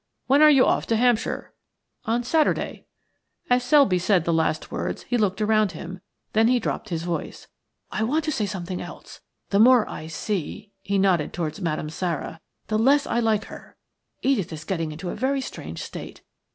"When are you off to Hampshire?" "On Saturday." As Selby said the last words he looked around him, then he dropped his voice. "I want to say something else. The more I see —" he nodded towards Madame Sara – "the less I like her. Edith is getting into a very strange state.